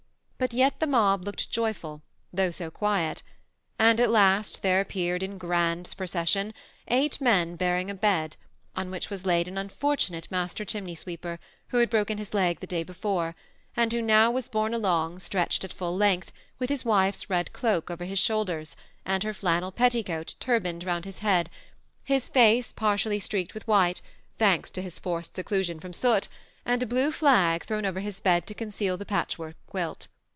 But yet the mob looked joyful, though so quiet ; and at last there appeared, in grand procession, eight men bearing a bed, on which was laid an unfortunate master chimney sweeper, who had broken his leg the day before, and who now was borne along, stretched at full length, with his wife's red cloak over his shoulders, and her flannel petticoat turbaned round his head, his face partially streaked with white^ thanks to his forced seclusion from soot, and a blue flag thrown over his bed to conceal the patchwork quilt.